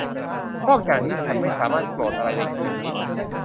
นอกจากนี้ฉันไม่สามารถโกรธอะไรในคืนนี้